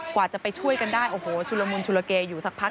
กว่าจะไปช่วยกันได้โอ้โหชุลมุนชุลเกอยู่สักพัก